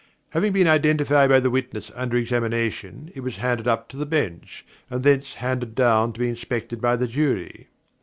Having been identified by the witness under examination, it was handed up to the Bench, and thence handed down to be inspected by the Jury.